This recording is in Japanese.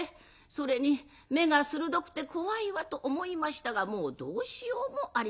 それに目が鋭くて怖いわ」と思いましたがもうどうしようもありません。